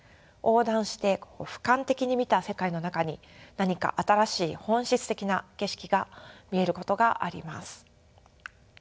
横断してふかん的に見た世界の中に何か新しい本質的な景色が見えることがあります。